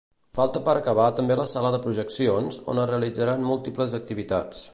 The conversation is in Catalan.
Falta per acabar també la sala de projeccions, on es realitzaran múltiples activitats.